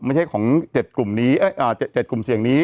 ไม่ใช่ของเจ็ดกลุ่มนี้เอ่อเอ่อเจ็ดเจ็ดกลุ่มเสี่ยงนี้